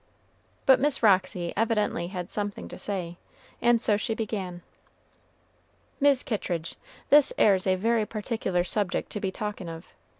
But Miss Roxy evidently had something to say, and so she began: "Mis' Kittridge, this 'ere's a very particular subject to be talkin' of.